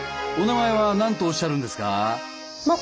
お名前は何とおっしゃるんですか？